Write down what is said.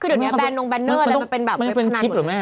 คือเดี๋ยวนี้แบนลงแบนเนอร์มันเป็นแบบเว็บพนัน